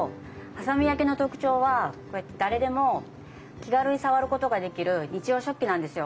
波佐見焼の特徴はこうやって誰でも気軽に触ることができる日用食器なんですよ。